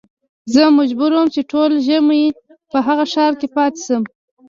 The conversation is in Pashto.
زه مجبور وم چې ټول ژمی په هغه ښار کې پاته شم.